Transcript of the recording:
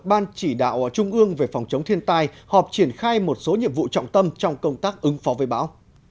ban chỉ đạo trung ương về phòng chống thiên tai họp triển khai một số nhiệm vụ trọng tâm trong công tác ứng phó với bão